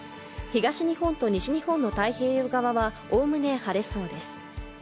東日本と西日本の太平洋側は概ね晴れそうです。